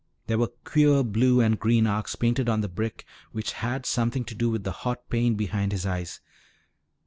There were queer blue and green arcs painted on the brick which had something to do with the hot pain behind his eyes.